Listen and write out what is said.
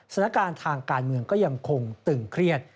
สถานการณ์ทางการเมืองก็ยังคงตึงเครียด